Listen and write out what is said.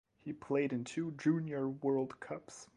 He played in two Junior World Cups.